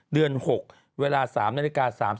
เดือน๖เวลา๓นาฬิกา๓๐